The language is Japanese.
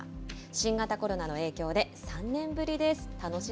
新型コロナの影響で３年ぶりです。